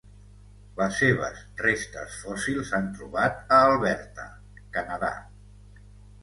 Les seves restes fòssils s'han trobat a Alberta, Canadà.